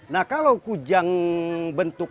nah kalau kujang bentukannya berbeda